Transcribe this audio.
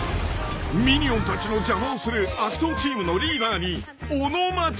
［ミニオンたちの邪魔をする悪党チームのリーダーに］